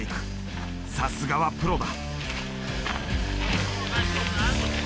さすがはプロだ。